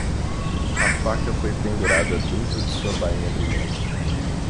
A faca foi pendurada dentro de sua bainha brilhante.